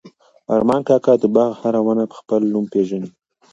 ارمان کاکا د باغ هره ونه په خپل نوم پېژني.